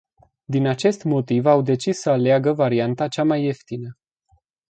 Din acest motiv au decis să aleagă varianta cea mai ieftină.